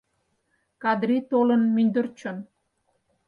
Кадри толын мӱндырчын.